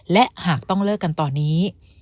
และหากต้องเลิกกันตอนนี้